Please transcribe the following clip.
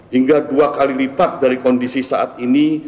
hingga dua kali lipat dari kondisi saat ini